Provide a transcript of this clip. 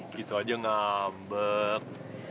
gitu aja ngambek